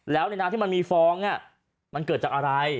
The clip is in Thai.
แล้วในน้ำที่มันมีฟองมันเกิดจากอะไร